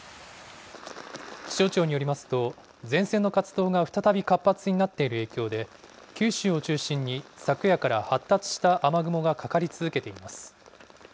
気象庁によりますと、前線の活動が再び活発になっている影響で、九州を中心に昨夜から発達した雨雲がかかり続けています。